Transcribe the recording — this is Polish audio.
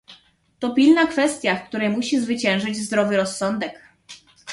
To pilna kwestia, w której musi zwyciężyć zdrowy rozsądek